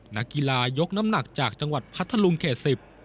นักกีฬายกน้ำหนักจากจังหวัดพัทธลุงเขต๑๐